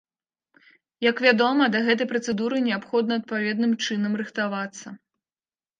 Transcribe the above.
Як вядома, да гэтай працэдуры неабходна адпаведным чынам рыхтавацца.